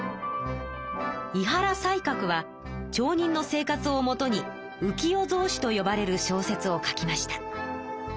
井原西鶴は町人の生活をもとに「浮世草子」とよばれる小説を書きました。